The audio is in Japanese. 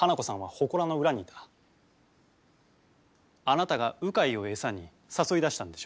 あなたが鵜飼を餌に誘い出したんでしょう。